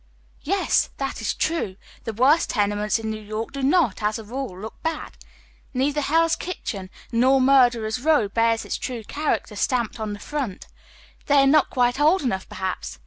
Yes ! that is true. The worst tenements in New York do not, as a rule, look bad. Neither Hell's Kitchen, nor Murderers' Eow beai s its true character stamped on the front. They ai'e not quite old enough, perhaps.